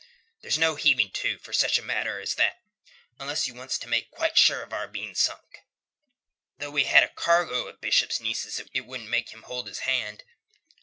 There's no heaving to for such a matter as that unless you wants to make quite sure of our being sunk. Though we had a cargo of Bishop's nieces it wouldn't make him hold his hand.